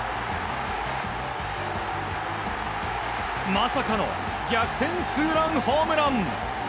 まさかの逆転ツーランホームラン。